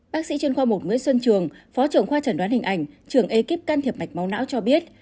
bác sĩ chuyên khoa một nguyễn xuân trường phó trưởng khoa chẩn đoán hình ảnh trường ekip can thiệp mạch máu não cho biết